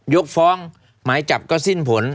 ยกฟ้องหมายจับก็สิ้นผล